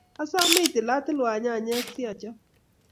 asome itilatilwa nyanyek si achop